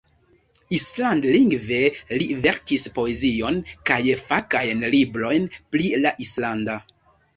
Island-lingve li verkis poezion kaj fakajn librojn pri la islanda.